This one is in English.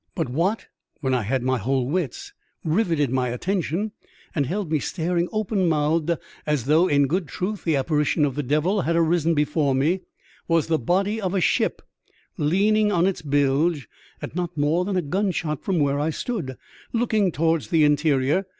But what (when I had my whole wits) riveted my attention, and held me staring open mouthed as though in good truth the apparition of the »devil had arisen before me, was the body of a ship leaning on its bilge, at not more than a gun shot from where I stood, look ing towards the interior.